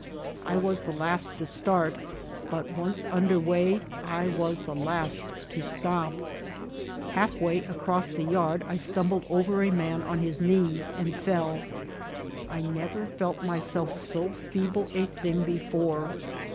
I was the last to start, but, once under way, I was the last to stop« Half way across the yard I stumbled oyer a man on his knees, and felL I never felt myself so feeble a thing before.